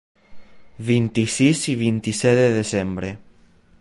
Vint-i-sis i vint-i-set de desembre.